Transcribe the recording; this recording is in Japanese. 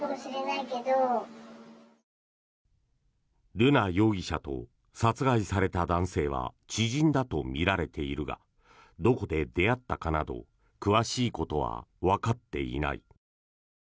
瑠奈容疑者と殺害された男性は知人だとみられているがどこで出会ったかなど詳しいことはわかっていない。